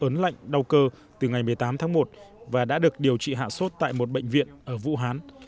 bệnh nhân đã bị đau cơ từ ngày một mươi tám tháng một và đã được điều trị hạ sốt tại một bệnh viện ở vũ hán